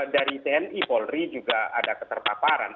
dari tni polri juga ada keterpaparan